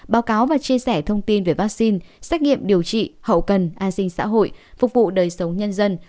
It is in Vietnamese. báo cáo và chia sẻ thông tin về vaccine xét nghiệm điều trị hậu cần an sinh xã hội phục vụ đời sống nhân dân